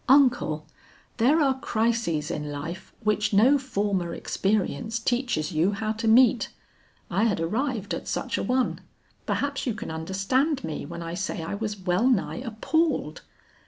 "Uncle, there are crises in life which no former experience teaches you how to meet. I had arrived at such a one. Perhaps you can understand me when I say I was well nigh appalled.